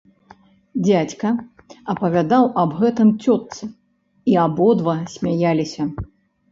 Дзядзька апавядаў аб гэтым цётцы, і абодва смяяліся.